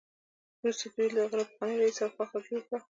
وروسته دوی د هغه له پخواني رییس سره خواخوږي وکړه